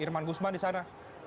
irman gursman di sana